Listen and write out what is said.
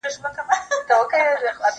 زه به تکړښت کړي وي!؟